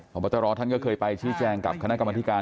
พบตรท่านก็เคยไปชี้แจงกับคณะกรรมธิการ